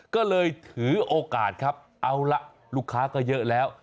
ก็เลยถือโอกาสครับเอาละลูกค้าก็เยอะแล้ว